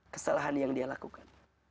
kesalahan yang dia lakukan